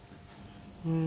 うん。